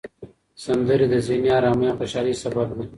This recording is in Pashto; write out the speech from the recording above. سندرې د ذهني آرامۍ او خوشحالۍ سبب دي.